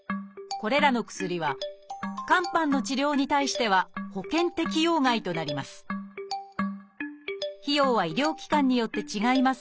これらの薬は肝斑の治療に対しては保険適用外となります。